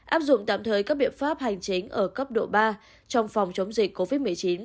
áp dụng tạm thời các biện pháp hành chính ở cấp độ ba trong phòng chống dịch covid một mươi chín